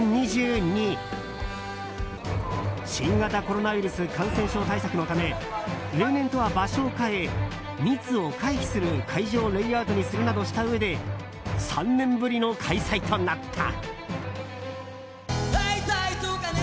新型コロナウイルスの感染症対策のため例年とは場所を変え密を回避する会場レイアウトにするなどしたうえで３年ぶりの開催となった。